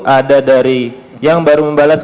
ada dari yang baru membalas